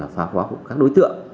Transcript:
phá khóa của các đối tượng